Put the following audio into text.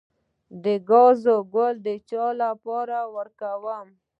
د ګازرې ګل د څه لپاره وکاروم؟